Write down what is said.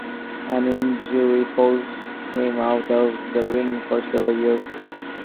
An injury forced him out of the ring for several years.